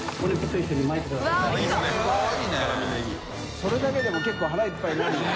それだけでも結構腹いっぱいになるじゃん。